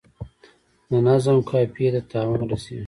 د نظم قافیې ته تاوان رسیږي.